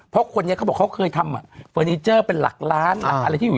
เพราะคนนี้เขาบอกเขาเคยทำเฟอร์นิเจอร์เป็นหลักล้านหลักอะไรที่อยู่